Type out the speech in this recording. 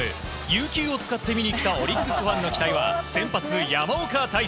有休を使って見に来たオリックスファンの期待は先発、山岡泰輔。